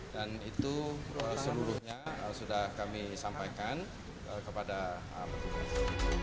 dan itu seluruhnya sudah kami sampaikan kepada kementerian agama